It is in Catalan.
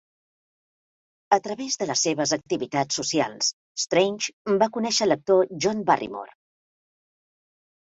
A través de les seves activitats socials, Strange va conèixer l"actor John Barrymore.